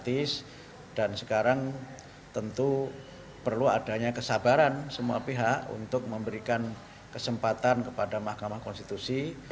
sekarang tentu perlu adanya kesabaran semua pihak untuk memberikan kesempatan kepada mahkamah konstitusi